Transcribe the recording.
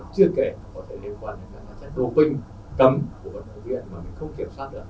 chưa kể có thể liên quan đến các vấn đề cầm của vận động viên mà mình không kiểm soát được